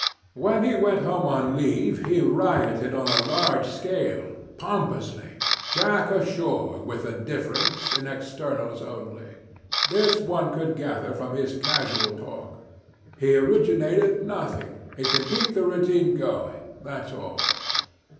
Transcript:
When he went home on leave he rioted on a large scale pompously. Jack ashore with a difference in externals only. This one could gather from his casual talk. He originated nothing, he could keep the routine going that's all.